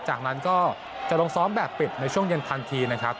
จากนั้นก็จะลงซ้อมแบบปิดในช่วงเย็นทันทีนะครับ